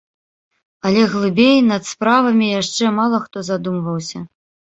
Але глыбей над справамі яшчэ мала хто задумваўся.